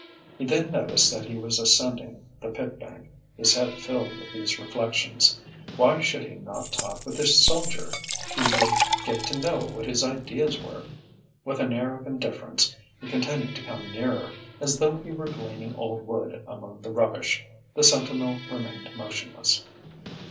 He then noticed that he was ascending the pit bank, his head filled with these reflections. Why should he not talk with this soldier? He would get to know what his ideas were. With an air of indifference, he continued to come nearer, as though he were gleaning old wood among the rubbish. The sentinel remained motionless.